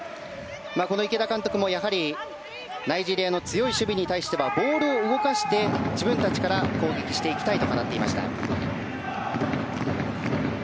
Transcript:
池田監督も、ナイジェリアの強い守備に対してはボールを動かして自分たちから攻撃していきたいと語っていました。